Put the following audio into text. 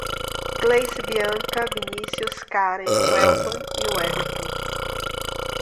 Gleice, Bianca, Vinicios, Karen, Welton e Wellinton